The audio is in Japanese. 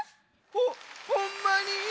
ほほんまに？